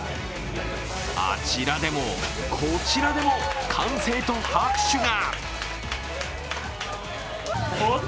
あちらでも、こちらでも歓声と拍手が。